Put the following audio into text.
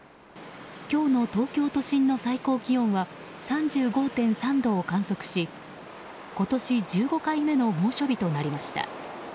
今日の東京都心の最高気温は３５．３度を観測し今年１５回目の猛暑日となりました。